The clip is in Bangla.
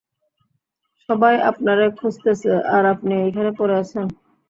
সবাই আপনারে খুঁজতেসে, আর আপনি এইখানে পড়ে আছেন?